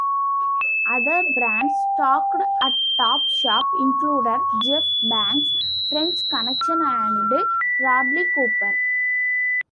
Other brands stocked at Top Shop included Jeff Banks, French Connection and Radley Cooper.